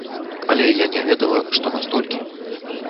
Але я не ведала, што настолькі.